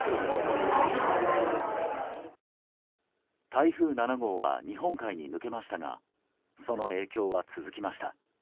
台風７号は日本海に抜けましたがその影響は続きました。